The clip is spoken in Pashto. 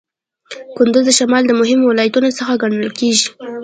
کندز د شمال د مهمو ولایتونو څخه ګڼل کیږي.